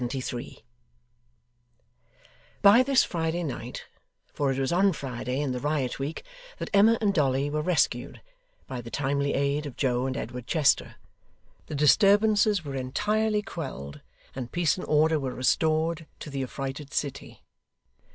Chapter 73 By this Friday night for it was on Friday in the riot week, that Emma and Dolly were rescued, by the timely aid of Joe and Edward Chester the disturbances were entirely quelled, and peace and order were restored to the affrighted city.